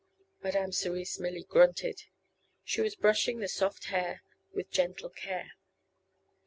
Madame Cerise merely grunted. She was brushing the soft hair with gentle care.